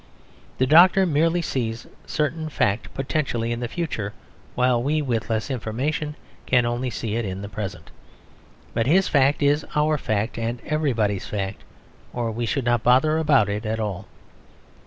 The doctor merely sees a certain fact potentially in the future, while we, with less information, can only see it in the present; but his fact is our fact and everybody's fact, or we should not bother about it at all.